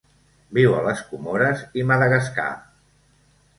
Viu a les Comores i Madagascar.